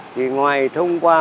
thì ngoài thông qua